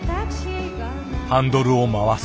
ハンドルを回す。